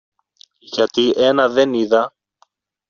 Γιατί ένα δεν είδα